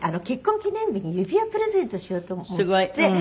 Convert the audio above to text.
結婚記念日に指輪プレゼントしようと思って。